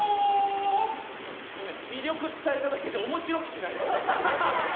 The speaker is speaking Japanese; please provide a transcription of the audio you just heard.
ごめん魅力伝えただけで面白くしないと。